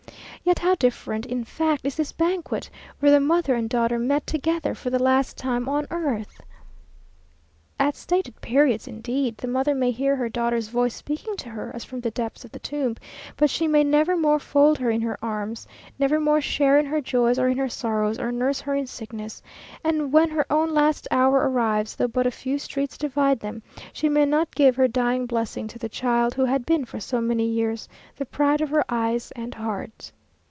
Yet how different in fact is this banquet, where the mother and daughter met together for the last time on earth! At stated periods, indeed, the mother may hear her daughter's voice speaking to her as from the depths of the tomb; but she may never more fold her in her arms, never more share in her joys or in her sorrows, or nurse her in sickness; and when her own last hour arrives, though but a few streets divide them, she may not give her dying blessing to the child who has been for so many years the pride of her eyes and heart.